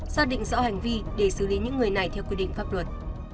xác định rõ hành vi để xử lý những người này theo quy định pháp luật